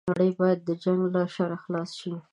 نړۍ بايد د جنګ له شره خلاصه شي